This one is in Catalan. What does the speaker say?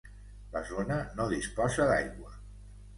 La zona no disposa d'aigua.